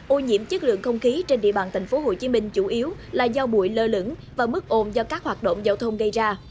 ô nhiễm chất lượng không khí trên địa bàn thành phố hồ chí minh chủ yếu là do bụi lơ lửng và mức ồn do các hoạt động giao thông gây ra